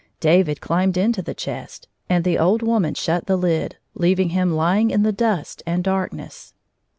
David climbed into the chest, and the old wo 142 man shut the Ud, leavuig him lying in the dust and darkness.